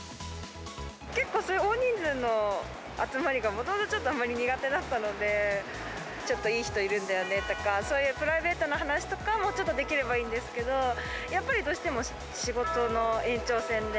結構、そういう大人数の集まりがもともとちょっとあまり苦手だったので、ちょっといい人いるんだよねとか、そういうプライベートな話とかもちょっとできればいいんですけど、やっぱりどうしても仕事の延長線で、